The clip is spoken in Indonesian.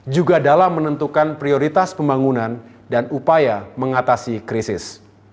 juga dalam menentukan prioritas pembangunan dan upaya mengatasi krisis